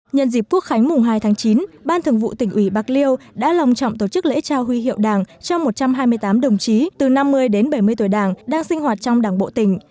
nhân dịp quốc khánh mùng hai tháng chín ban thường vụ tỉnh ủy bạc liêu đã lòng trọng tổ chức lễ trao huy hiệu đảng cho một trăm hai mươi tám đồng chí từ năm mươi đến bảy mươi tuổi đảng đang sinh hoạt trong đảng bộ tỉnh